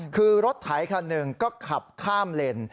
คือรถไถคันหนึ่งก็ขับข้ามเลน